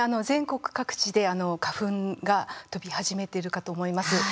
全国各地で花粉が飛び始めているかと思います。